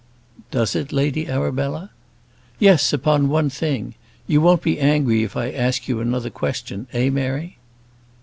"Does it, Lady Arabella?" "Yes, upon one thing. You won't be angry if I ask you another question eh, Mary?"